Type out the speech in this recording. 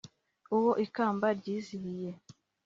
Uwo ikamba ryizihiye